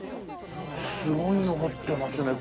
すごいの彫ってますね。